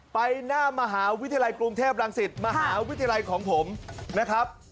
ไปหน้ามหาวิทยาลัยกรุงเทพรังสิตมหาวิทยาลัยของผมนะครับ